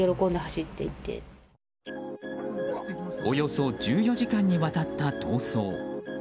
およそ１４時間にわたった逃走。